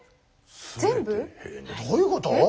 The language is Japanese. どういうこと？